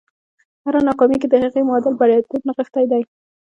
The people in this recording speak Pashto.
په هره ناکامي کې د هغې معادل برياليتوب نغښتی دی.